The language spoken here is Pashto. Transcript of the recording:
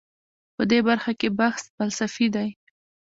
په دې برخه کې بحث فلسفي دی.